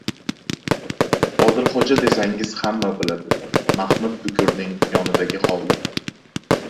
Odilxo‘ja desangiz hamma biladi. Mahmud bukurning yonidagi hovli.